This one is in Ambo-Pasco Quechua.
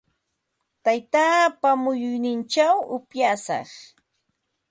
Taytaapa muyunninchaw upyashaq.